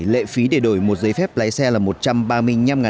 lệ phí để đổi một giấy phép lái xe là